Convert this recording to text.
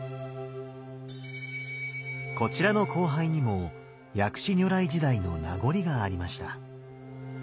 こちらの光背にも薬師如来時代の名残がありました。